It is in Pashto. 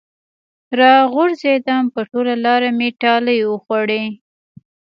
راغورځېدم په ټوله لاره مې ټالۍ وخوړې